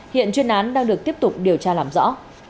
hiện chuyên án đang được tiếp tục điều tra làm rõ